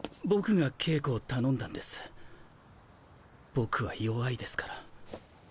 僕は弱いですから。